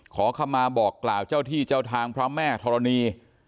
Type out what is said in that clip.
ขอคำมาบอกกล่าวเจ้าที่เจ้าทางพระแม่ธรณี